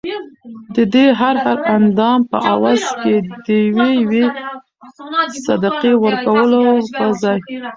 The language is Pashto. ددې هر هر اندام په عوض کي د یوې یوې صدقې ورکولو په ځای